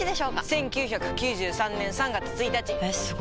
１９９３年３月１日！えすご！